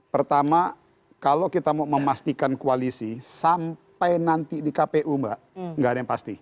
pertama kalau kita mau memastikan koalisi sampai nanti di kpu mbak nggak ada yang pasti